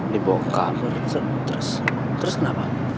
dibawa kabur terus kenapa